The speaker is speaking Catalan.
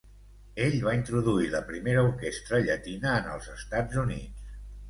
Ell va introduir la primera orquestra llatina en els Estats Units.